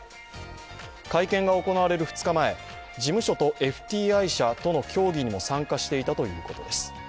会見が行われる２日前、事務所とＦＴＩコンサルティングの協議にも参加していたということです。